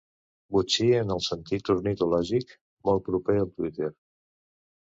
Botxí, en el sentit ornitològic, molt proper al Twitter.